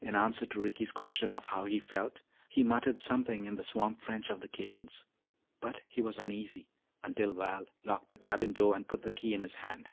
In answer to Ricky's question of how he felt, he muttered something in the swamp French of the Cajuns. But he was uneasy until Val locked the cabin door and put the key in his hand.